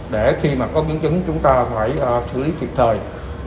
để khi mà có biến chứng chúng ta phải xử lý kịp thời